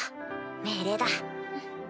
命令だ。